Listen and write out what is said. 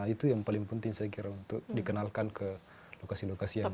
itu yang paling penting saya kira untuk dikenalkan ke lokasi lokasi yang lain